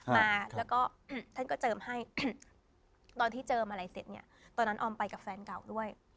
มาแล้วก็ท่านก็เจิมให้ตอนที่เจิมอะไรเสร็จเนี่ยตอนนั้นออมไปกับแฟนเก่าด้วย